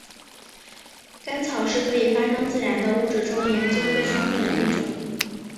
干草是可以发生自燃的物质中研究最充分的一种。